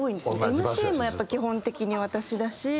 ＭＣもやっぱ基本的に私だし。